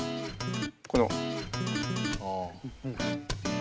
この。